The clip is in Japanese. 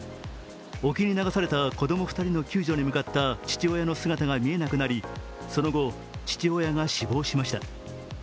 沖に流された子供２人の救助に向かった父親の姿が見えなくなり、その後、父親が死亡しました。